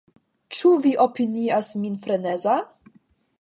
Ĉu vi opinias min freneza?